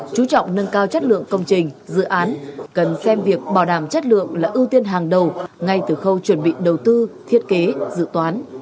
chú trọng nâng cao chất lượng công trình dự án cần xem việc bảo đảm chất lượng là ưu tiên hàng đầu ngay từ khâu chuẩn bị đầu tư thiết kế dự toán